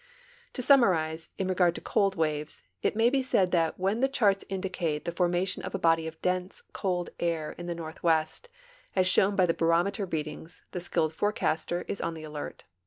To summarize in regard to cold waves, it may be said that when the charts indicate tiie formation of a body of dense, cold air in the northwest, as shown by the barometer readings, the skilled forecaster is on the alert.